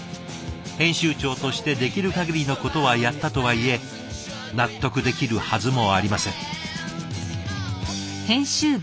編集長としてできるかぎりのことはやったとはいえ納得できるはずもありません。